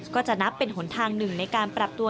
ก็จะนับเป็นหนทางหนึ่งในการปรับตัว